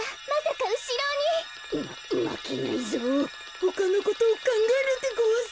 こころのこえほかのことをかんがえるでごわす。